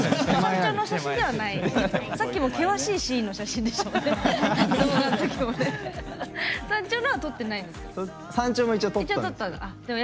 さっきも険しいシーンの写真でしたね、動画も。